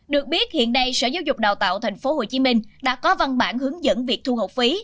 được biết hiện nay sở giáo dục đào tạo tp hcm đã có văn bản hướng dẫn việc thu học phí